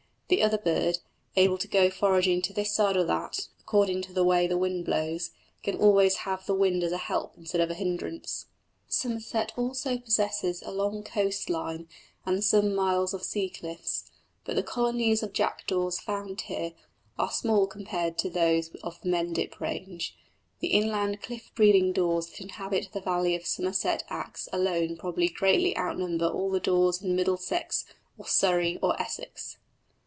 The other bird, able to go foraging to this side or that, according to the way the wind blows, can always have the wind as a help instead of a hindrance. Somerset also possesses a long coast line and some miles of sea cliffs, but the colonies of jackdaws found here are small compared with those of the Mendip range. The inland cliff breeding daws that inhabit the valley of the Somerset Axe alone probably greatly outnumber all the daws in Middlesex, or Surrey, or Essex.